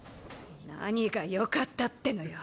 何がよかったってのよ。